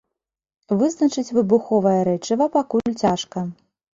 Вызначыць выбуховае рэчыва пакуль цяжка.